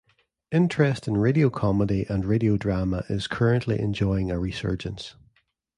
Interest in radio comedy and radio drama is currently enjoying a resurgence.